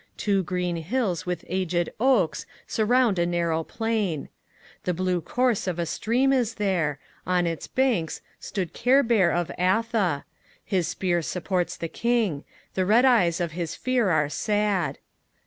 Two green hills with aged oaks surround a narrow plain. The blue course of a stream is there. On its banks stood Cairbar of Atha. His spear supports the king; the red eyes of his fear are sad.